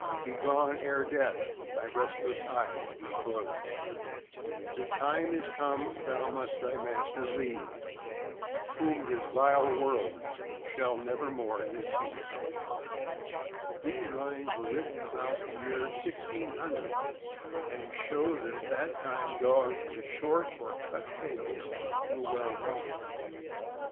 Begone ere death my restless eyes do close; The time is come thou must thy master leave, Whom this vile world shall never more deceive. (515) 516 THE AMERICAN BOOK OF THE DOG. These lines were written about the year 1600, and show that at that time dogs with short or cut tails were well known.